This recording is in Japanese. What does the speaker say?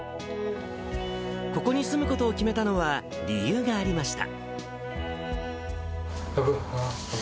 ここに住むことを決めたのは、理由がありました。